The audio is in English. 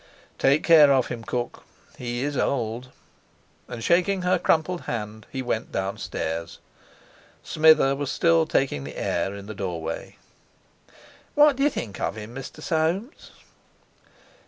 "Take care of him, Cook, he is old." And, shaking her crumpled hand, he went down stairs. Smither was still taking the air in the doorway. "What do you think of him, Mr. Soames?"